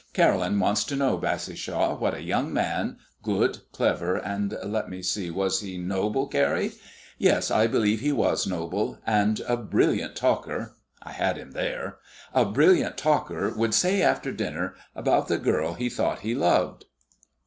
"Caroline wants to know, Bassishaw, what a young man, good, clever, and let me see was he noble, Carrie? Yes, I believe he was noble, and a brilliant talker" (I had him there) "a brilliant talker, would say after dinner about the girl he thought he loved."